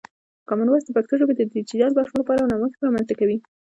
کامن وایس د پښتو ژبې د ډیجیټل برخې لپاره نوښت رامنځته کوي.